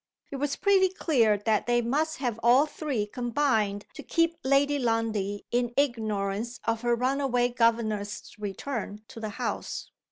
It was pretty clear that they must have all three combined to keep Lady Lundie in ignorance of her runaway governess's return to the house.